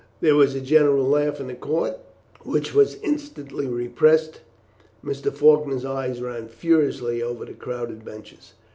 There was a general laugh in the court, which was instantly repressed. Mr. Faulkner's eyes ran furiously over the crowded benches.